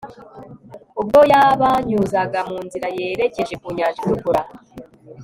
ubwo yabanyuzaga mu nzira yerekeje ku nyanja itukura